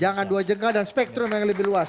jangan dua jengkal dan spektrum yang lebih luas